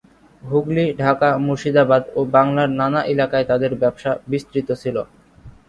হুগলি, ঢাকা, মুর্শিদাবাদ ও বাংলার নানা এলাকায় তাদের ব্যবসা বিস্তৃত ছিল।